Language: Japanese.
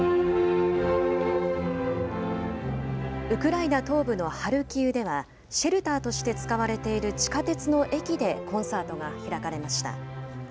ウクライナ東部のハルキウでは、シェルターとして使われている地下鉄の駅でコンサートが開かれました。